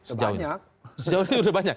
sejauh ini sudah banyak